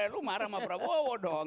lu marah sama prabowo dong